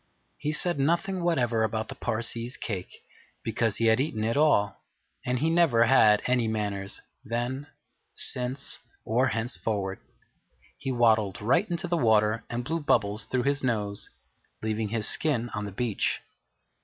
He said nothing whatever about the Parsee's cake, because he had eaten it all; and he never had any manners, then, since, or henceforward. He waddled straight into the water and blew bubbles through his nose, leaving his skin on the beach.